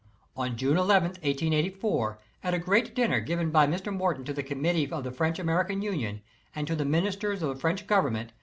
On June 11, 1884, at a great dinner given by Mr. Morton to the Committee of the French American Union and to the Ministers of the French Government, M.